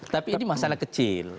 tapi ini masalah kecil